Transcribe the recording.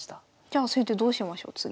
じゃあ先手どうしましょう次。